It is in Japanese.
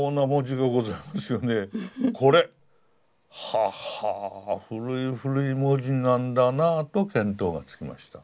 ははぁ古い古い文字なんだなと見当がつきました。